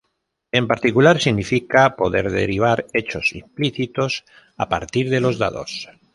En particular, significa poder derivar hechos implícitos a partir de los dados.